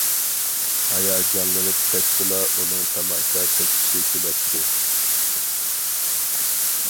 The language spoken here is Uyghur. ھاياجانلىنىپ كەتسىلا ئۇنىڭ تاماكا چەككۈسى كېلەتتى.